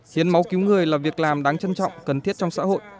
hiến máu cứu người là việc làm đáng trân trọng cần thiết trong xã hội